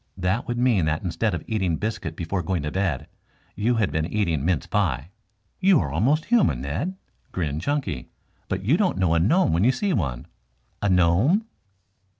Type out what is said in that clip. That would mean that instead of eating biscuit before going to bed, you had been eating mince pie." "You are almost human, Ned," grinned Chunky. "But you don't know a gnome when you see one." "A gnome?"